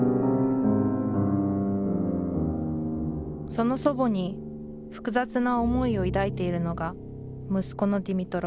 その祖母に複雑な思いを抱いているのが息子のディミトロ。